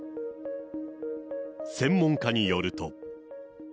専門家によると。